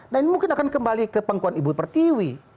nah ini mungkin akan kembali ke pangkuan ibu pertiwi